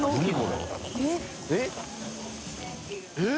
えっ！